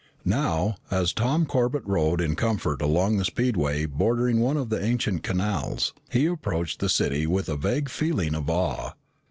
Now, as Tom Corbett rode in comfort along a speedway bordering one of the ancient canals, he approached the city with a vague feeling of awe.